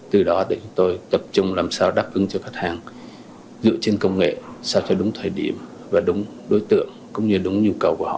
từ đó để chúng tôi tập trung làm sao đáp ứng cho khách hàng dựa trên công nghệ sao cho đúng thời điểm và đúng đối tượng cũng như đúng nhu cầu của họ